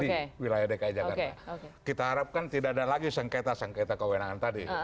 di wilayah dki jakarta kita harapkan tidak ada lagi sengketa sengketa kewenangan tadi